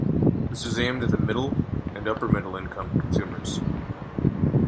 This was aimed at middle and upper-middle income consumers.